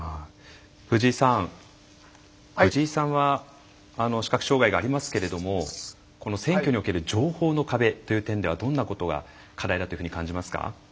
藤井さん藤井さんは視覚障害がありますけれども選挙における情報の壁という点ではどんなことが課題だというふうに感じますか？